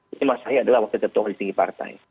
ini mas ahai adalah wakil ketua majelis tinggi partai